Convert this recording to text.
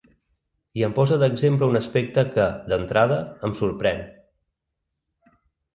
I em posa d’exemple un aspecte que, d’entrada, em sorprèn.